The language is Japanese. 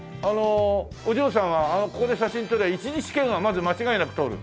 お嬢さんはここで写真撮れば１次試験はまず間違いなく通る？